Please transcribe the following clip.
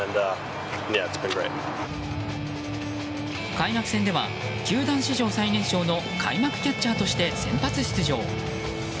開幕戦では球団史上最年少の開幕キャッチャーとして先発出場。